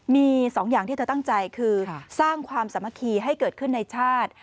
มี๒อย่างที่เธอตั้งใจคือสร้างความสามัคคีให้เกิดขึ้นในชาติ